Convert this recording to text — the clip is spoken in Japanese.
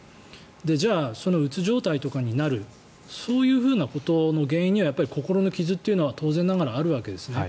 じゃあ、そのうつ状態とかになるそういうことの原因には心の傷というのは当然ながらあるわけですね。